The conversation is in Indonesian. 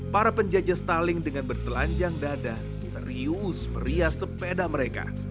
para penjajah stalling dengan bertelanjang dada serius merias sepeda mereka